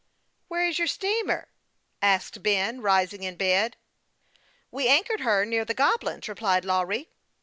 " Where is your steamer ?" asked Ben, rising up in the bed. "We anchored her near the Goblins," replied Lawry.